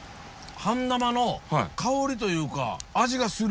ハンダマの香りというか味がする。